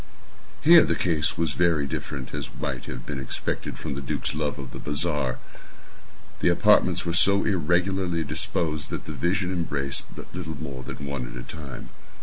Here the case was very different; as might have been expected from the duke's love of the bizarre. The apartments were so irregularly disposed that the vision embraced but little more than one at a time.